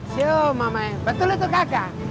siuh mamah yang betul itu kakak